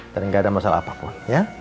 dan gak ada masalah apapun ya